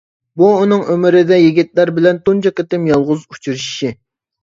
بۇ ئۇنىڭ ئۆمرىدە يىگىتلەر بىلەن تۇنجى قېتىم يالغۇز ئۇچرىشىشى.